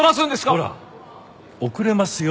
ほら遅れますよ